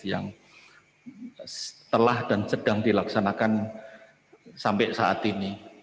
yang setelah dan sedang dilaksanakan sampai saat ini